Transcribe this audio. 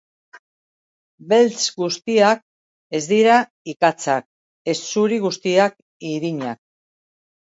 Beltz guztiak ez dira ikatzak, ez zuri guztiak irinak.